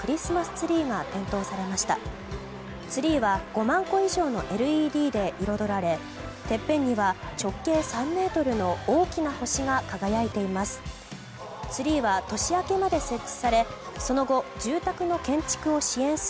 ツリーは５万個以上のＬＥＤで彩られてっぺんには直径３ｍの大きな星が輝いています。